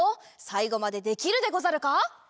さいごまでできるでござるか？